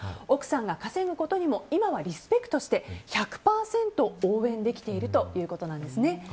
奥さんが稼ぐことにも今はリスペクトして１００％応援できているということです。